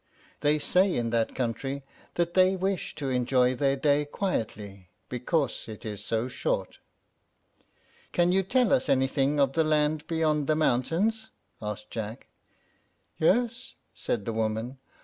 They say in that country that they wish to enjoy their day quietly, because it is so short. "Can you tell us anything of the land beyond the mountains?" asked Jack. "Yes," said the woman.